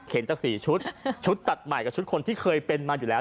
เข็นจากสี่ชุดชุดตัดใหม่กับชุดคนที่เคยเป็นแล้ว